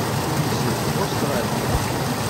Kemm seg Ustṛalya?